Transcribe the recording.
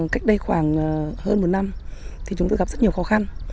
cách đây khoảng hơn một năm thì chúng tôi gặp rất nhiều khó khăn